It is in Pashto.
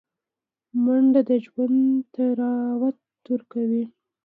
منډه د ژوند طراوت ورکوي